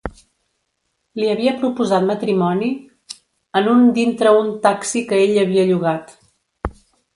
Li havia proposat matrimoni en un dintre un taxi que ell havia llogat.